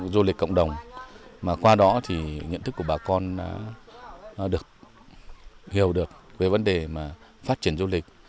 du lịch cộng đồng mà qua đó thì nhận thức của bà con đã được hiểu được về vấn đề mà phát triển du lịch